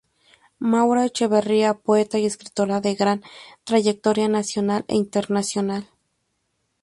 Maura Echeverría, poeta y escritora de gran trayectoria nacional e internacional.